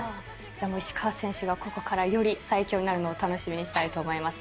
石川選手がここからより最強になるのを楽しみにしたいと思います。